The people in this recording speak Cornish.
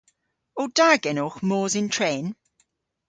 O da genowgh mos yn tren?